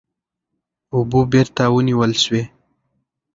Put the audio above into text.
اوبه بېرته ونیول سوې.